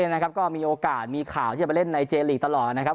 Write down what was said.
นะครับก็มีโอกาสมีข่าวที่จะไปเล่นในเจลีกตลอดนะครับ